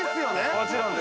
◆もちろんです。